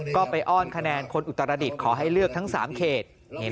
ก็ไปอ้อนคะแนนคนอุตรดิษฐ์ขอให้เลือกทั้ง๓เขต